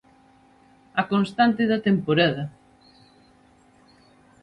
A constante da temporada.